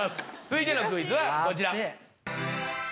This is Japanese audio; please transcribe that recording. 続いてのクイズはこちら。